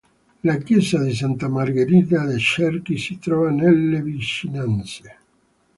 La chiesa di Santa Margherita de' Cerchi si trova nelle vicinanze.